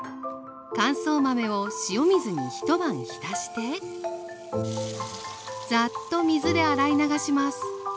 乾燥豆を塩水に一晩浸してザーッと水で洗い流します